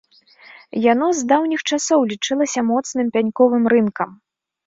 Яно з даўніх часоў лічылася моцным пяньковым рынкам.